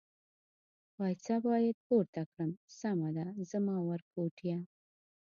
پایڅه باید پورته کړم، سمه ده زما ورکوټیه.